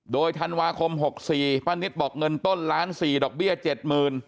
โดยธันวาคม๖๔ป้านิตบอกเงินต้น๑๐๐๔๐๐๐บาทดอกเบี้ย๗๐๐๐๐บาท